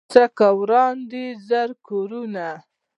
څه که وران دي زر کورونه